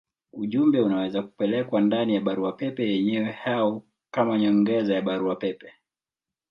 Ujumbe unaweza kupelekwa ndani ya barua pepe yenyewe au kama nyongeza ya barua pepe.